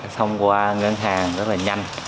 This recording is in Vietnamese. xong qua ngân hàng rất là nhanh